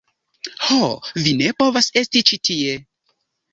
Ho, vi ne povas esti ĉi tie